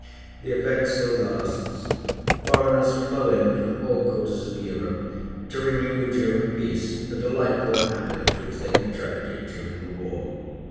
The effect still lasts. Foreigners flow in from all quarters of Europe to renew during peace the delightful habits which they contracted during the war.